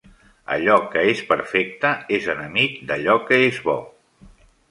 Allò que és perfecte és enemic d'allò que és bo.